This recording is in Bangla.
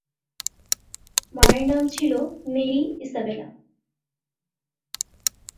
মায়ের নাম ছিল মেরি ইসাবেলা।